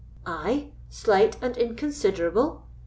"I slight and inconsiderable?"